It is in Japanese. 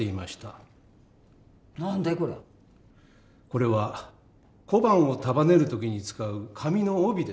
これは小判を束ねる時に使う紙の帯です。